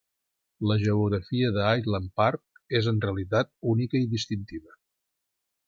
La geografia d'Island Park és en realitat única i distintiva.